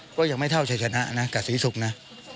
ก็ยังไม่เท่าชัยชนะนะกับศรีศุกร์นะ